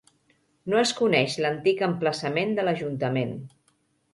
No es coneix l'antic emplaçament de l'ajuntament.